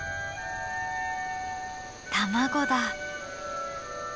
卵だ。